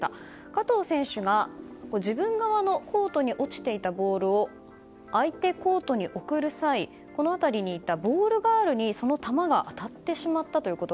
加藤選手が、自分側のコートに落ちていたボールを相手コートに送る際ボールガールにその球が当たってしまいました。